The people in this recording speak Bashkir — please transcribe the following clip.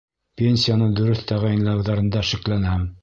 Пенсияны дөрөҫ тәғәйенләүҙәрендә шикләнәм.